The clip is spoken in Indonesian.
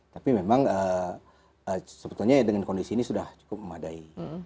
tapi memang sebetulnya dengan kondisi ini sudah cukup memadai